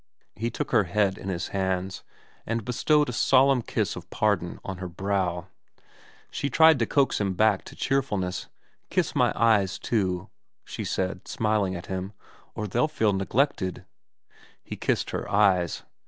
He took her head in his hands, and bestowed a solemn kiss of pardon on her brow. She tried to coax him back to cheerfulness. * Kiss my eyes too,' she said, smiling at him, ' or they'll feel neglected.' He kissed her eyes.